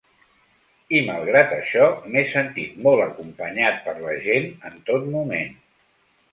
I, malgrat això, m’he sentit molt acompanyat per la gent en tot moment.